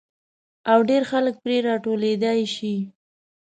او ډېر خلک پرې را ټولېدای شي.